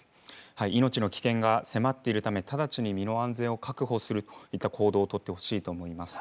命の危険が迫っているため、直ちに身の安全を確保するといった行動を取ってほしいと思います。